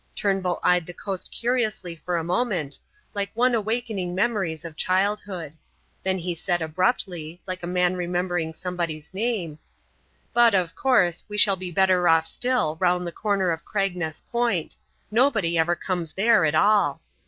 Turnbull eyed the coast curiously for a moment, like one awakening memories of childhood; then he said abruptly, like a man remembering somebody's name: "But, of course, we shall be better off still round the corner of Cragness Point; nobody ever comes there at all."